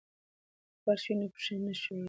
که فرش وي نو پښې نه ښویېږي.